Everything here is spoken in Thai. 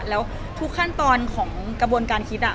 แล้วทุกขั้นตอนของกระบวนการคิด